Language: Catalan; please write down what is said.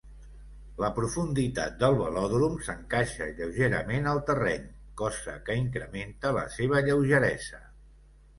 La profunditat del velòdrom s'encaixa lleugerament al terreny, cosa que incrementa la seva lleugeresa.